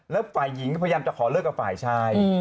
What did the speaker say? แล้วฝ่ายหญิงก็พยายามจะขอเลิกกับฝ่ายชาย